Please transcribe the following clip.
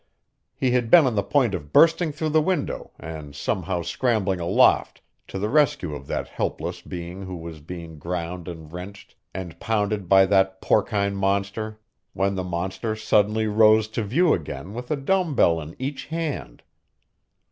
He had been on the point of bursting through the window and somehow scrambling aloft to the rescue of that helpless being who was being ground and wrenched and pounded by that porcine monster, when the monster suddenly rose to view again with a dumb bell in each hand.